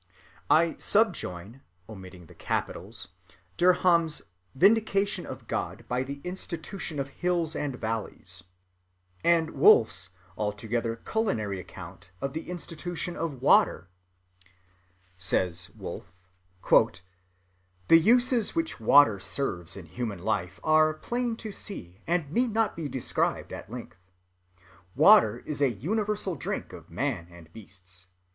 I subjoin, omitting the capitals, Derham's "Vindication of God by the Institution of Hills and Valleys," and Wolff's altogether culinary account of the institution of Water:— "The uses," says Wolff, "which water serves in human life are plain to see and need not be described at length. Water is a universal drink of man and beasts.